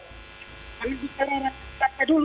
paling bukan raja raja dulu